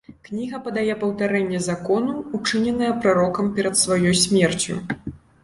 Кніга падае паўтарэнне закону, учыненае прарокам перад сваёй смерцю.